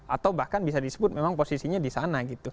atau bahkan bisa disebut memang posisinya di sana gitu